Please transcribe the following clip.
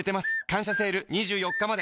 「感謝セール」２４日まで